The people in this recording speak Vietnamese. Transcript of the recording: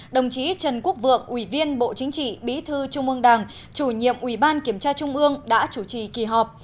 đồng chí trần quốc vượng ủy viên bộ chính trị bí thư trung ương đảng chủ nhiệm ủy ban kiểm tra trung ương đã chủ trì kỳ họp